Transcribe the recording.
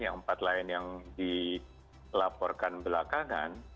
yang empat lain yang dilaporkan belakangan